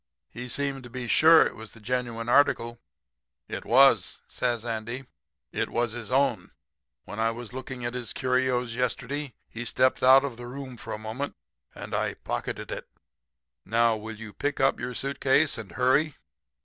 He seemed to be sure it was the genuine article.' "'It was,' says Andy. 'It was his own. When I was looking at his curios yesterday he stepped out of the room for a moment and I pocketed it. Now, will you pick up your suit case and hurry?'